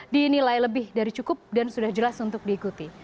dinilai lebih dari cukup dan sudah jelas untuk diikuti